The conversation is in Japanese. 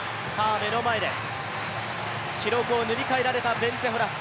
目の前で記録を塗り替えられたベンツェ・ホラス。